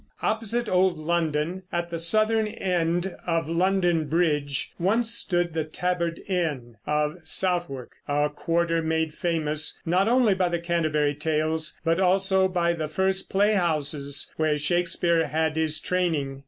Opposite old London, at the southern end of London Bridge, once stood the Tabard Inn of Southwark, a quarter made famous not only by the Canterbury Tales, but also by the first playhouses where Shakespeare had his training.